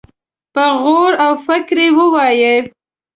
په غور او فکر يې ووايي.